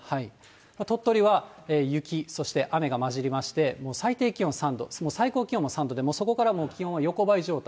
鳥取は雪、そして雨が交じりまして、もう最低気温３度、最高気温も３度で、そこから気温は横ばい状態。